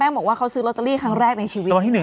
แป้งบอกว่าเขาซื้อลอตเตอรี่ครั้งแรกในชีวิตวันที่หนึ่ง